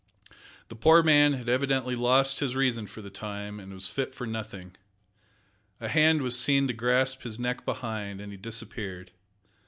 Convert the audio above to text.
The poor man had evidently lost his reason for the time, and was fit for nothing. A hand was seen to grasp his neck behind, and he disappeared.